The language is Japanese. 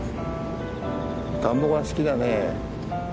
田んぼが好きだね。